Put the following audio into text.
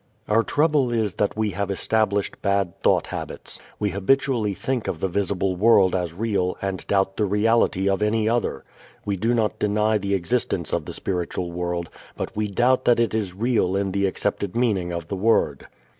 Our trouble is that we have established bad thought habits. We habitually think of the visible world as real and doubt the reality of any other. We do not deny the existence of the spiritual world but we doubt that it is real in the accepted meaning of the word.